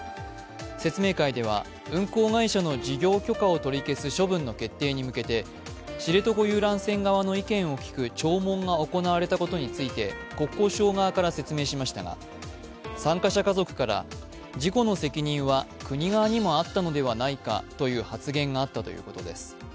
説明会では、運航会社の事業許可を取り消す処分の決定に向けて、知床遊覧船側の意見を聞く聴聞が行われたことについて国交省側から説明しましたが参加者家族から事故の責任は、国側にもあったのではないかという発言があったということです。